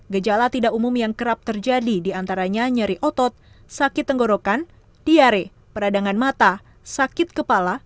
gejala tidak umum yang kerap terjadi diantaranya nyeri otot sakit tenggorokan diare peradangan mata sakit kepala